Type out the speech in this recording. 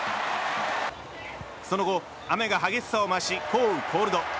その後、雨が激しさを増し降雨コールド。